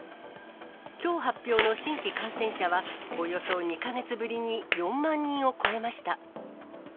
きょう発表の新規感染者は、およそ２か月ぶりに４万人を超えました。